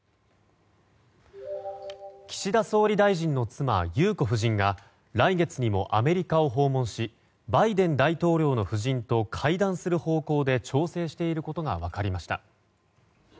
岸田総理大臣の妻裕子夫人が来月にもアメリカを訪問しバイデン大統領の夫人と会談する方向で調整していることが分かりました。